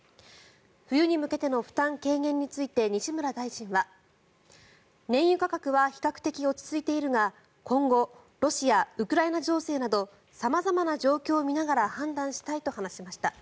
冬に向けての負担軽減について西村大臣は燃油価格は比較的落ち着いているが今後ロシア・ウクライナ情勢など様々な状況を見ながら判断したいと話しました。